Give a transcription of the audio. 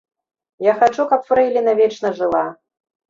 Я хачу, каб фрэйліна вечна жыла.